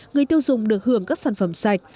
người tiêu dùng được hưởng các sản phẩm sạch